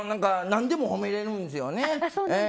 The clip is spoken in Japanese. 何でも褒めれるんですよね。